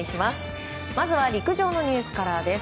まずは陸上のニュースからです。